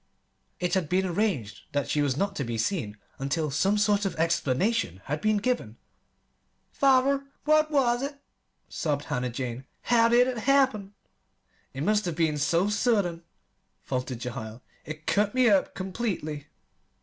It had been arranged that she was not to be seen until some sort of explanation had been given. "Father, what was it?" sobbed Hannah Jane. "How did it happen?" "It must have been so sudden," faltered Jehiel. "It cut me up completely."